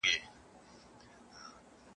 اوس چي هر مُلا ته وایم خپل خوبونه !.